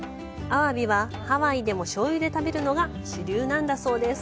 アワビは、ハワイでも醤油で食べるのが主流なんだそうです。